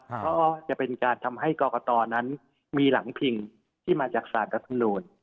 เพราะจะเป็นการทำให้กอกตอนั้นมีหลังผิงที่มาจากศาสตร์กระทรวงมนุน